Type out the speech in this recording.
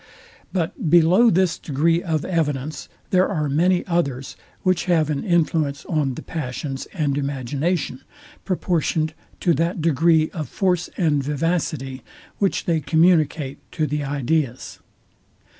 But below this degree of evidence there are many others, which have an influence on the passions and imagination, proportioned to that degree of force and vivacity, which they communicate to the ideas.